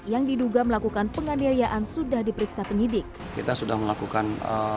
yang diduga melakukan penganiayaan sudah diperiksa penyidik kita sudah melakukan